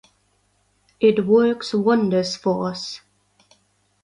It works wonders for us.